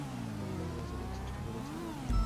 আমি তাকে বাঁচানোর চেষ্টা করেছিলাম।